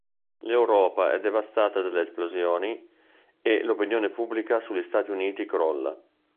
L'Europa è devastata dalle esplosioni e l'opinione pubblica sugli Stati Uniti crolla.